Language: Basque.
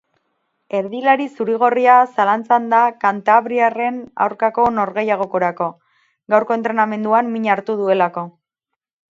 Erdilari zuri-gorria zalantza da kantabriarren aurkako norgehiagokarako, gaurko entrenamenduan mina hartu duelako.